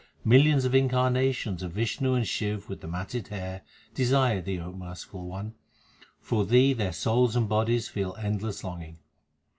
Millions of incarnations of Vishnu and of Shiv with the matted hair Desire Thee, O merciful One ; for Thee their souls and bodies feel endless longing.